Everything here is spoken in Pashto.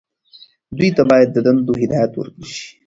دوی ته باید د دندو هدایت ورکړل شي.